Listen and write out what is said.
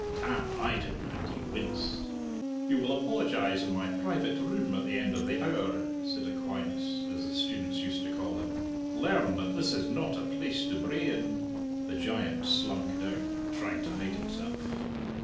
Tam eyed him, and he winced. "You will apologize in my private room at the end of the hour," said Aquinas, as the students used to call him. "Learn that this is not a place to bray in." The giant slunk down, trying to hide himself.